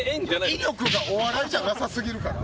威力がお笑いじゃなさすぎるから。